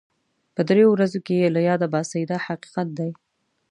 په دریو ورځو کې یې له یاده باسي دا حقیقت دی.